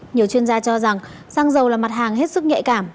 nhiều chuyên gia cho rằng xăng dầu là mặt hàng hết sức nhạy cảm